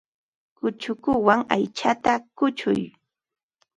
Kuchukuwan aychata kuchuy.